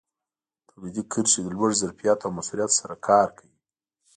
تولیدي کرښې د لوړ ظرفیت او موثریت سره کار کوي.